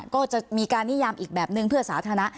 ก็จะมีการนิยามอีกแบบนึงเพื่อสาธารณะ